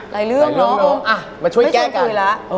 หลายเรื่องเนอะมาช่วยแก้กัน